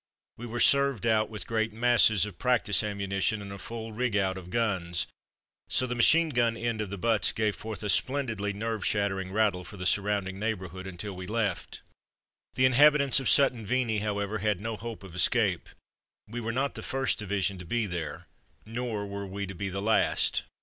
We were served out with great masses of practice ammunition and a full rig out of guns, so the machine gun end of the butts gave forth a splendidly nerve shattering rattle for the surrounding neighbourhood until we left. The inhabitants of Sutton Veney, however, had no hope of escape. We were not the first division to be there, nor were we to be the last.